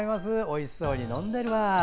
おいしそうに飲んでるわ。